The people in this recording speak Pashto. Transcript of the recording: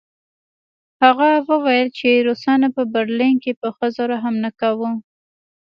هغه وویل چې روسانو په برلین کې په ښځو رحم نه کاوه